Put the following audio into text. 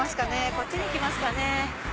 こっちに行きますかね。